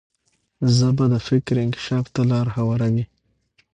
ژبه د فکر انکشاف ته لار هواروي.